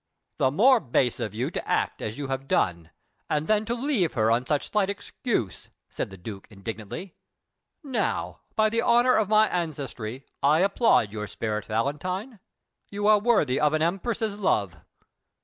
"The more base of you to act as you have done, and then to leave her on such slight excuse!" said the Duke indignantly. "Now, by the honour of my ancestry, I applaud your spirit, Valentine; you are worthy of an Empress's love.